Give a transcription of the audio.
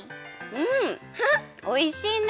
うんおいしいね！